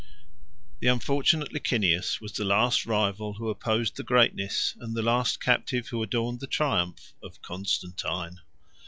The unfortunate Licinius was the last rival who opposed the greatness, and the last captive who adorned the triumph, of Constantine.